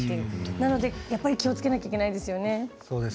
なのでやっぱり気をつけないといけないですね。